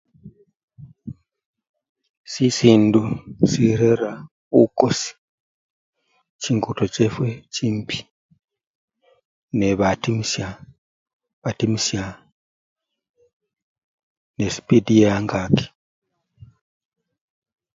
Sisindu sirera bukosi, chingudo chefwe chimbii nebatimisya batimisya nesipidi ye-angaki.